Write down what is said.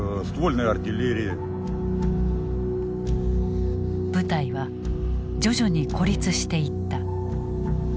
部隊は徐々に孤立していった。